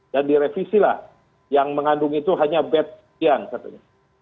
dan direvisilah yang mengandung itu hanya bed yang katanya